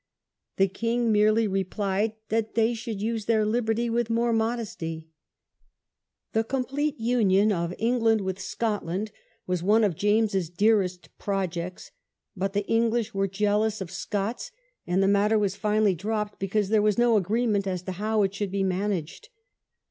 The king merely replied that they should use their liberty with more modesty. The complete union of England with Scotland was one of James's dearest projects; but the English were jealous The Scottish of Scots, and the matter was finally dropped Union. because there was no agreement as to how it should be managed.